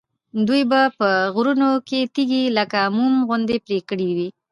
دوی به په غرونو کې تیږې لکه موم غوندې پرې کړې وي.